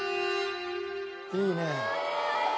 いいね。